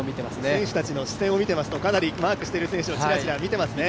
選手たちの視線を見ていますとかなりマークをしている選手を見てますね。